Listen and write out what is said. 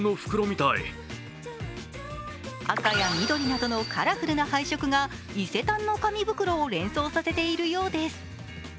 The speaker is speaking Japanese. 赤や緑などのカラフルな配色が伊勢丹の紙袋を連想させているようです。